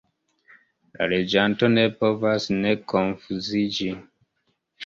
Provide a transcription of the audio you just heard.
La leganto ne povas ne konfuziĝi.